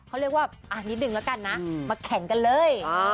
เขาเรียกว่านิดนึงแล้วกันนะมาแข่งกันเลย